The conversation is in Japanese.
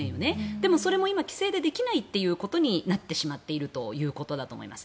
でもそれも今、規制でできないということになってしまっているということだと思います。